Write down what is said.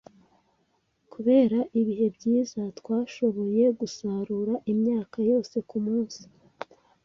Kubera ibihe byiza, twashoboye gusarura imyaka yose kumunsi.